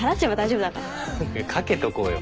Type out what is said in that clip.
かけとこうよ。